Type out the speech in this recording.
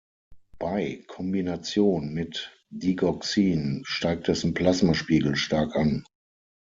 Bei Kombination mit Digoxin steigt dessen Plasmaspiegel stark an.